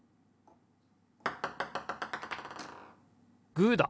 グーだ！